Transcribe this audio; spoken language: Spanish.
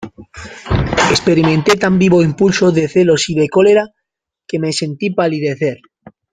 experimenté tan vivo impulso de celos y de cólera, que me sentí palidecer.